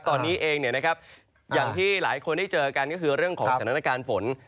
ตอนนี้เองอย่างที่หลายคนได้เจอกันก็คือเรื่องของสถานการณ์ฝน